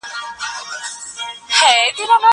که وخت وي، کتابونه وليکم!!!!